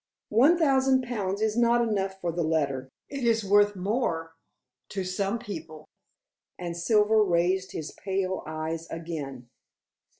"One thousand pounds is not enough for the letter. It is worth more to some people," and Silver raised his pale eyes again.